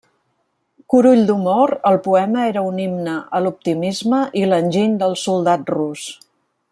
Curull d’humor, el poema era un himne a l’optimisme i l’enginy del soldat rus.